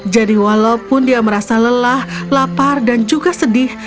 jadi walaupun dia merasa lelah lapar dan juga sedih